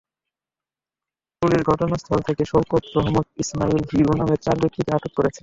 Police ঘটনাস্থল থেকে শওকত, রছমত, ইসমাইল, হিরু নামের চার ব্যক্তিকে আটক করেছে।